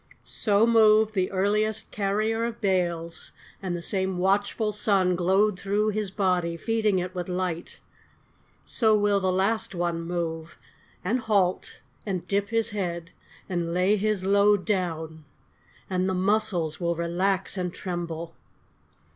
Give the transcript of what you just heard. So moved the earliest carrier of bales, And the same watchful sun Glowed through his body feeding it with light. So will the last one move, And halt, and dip his head, and lay his load Down, and the muscles will relax and tremble.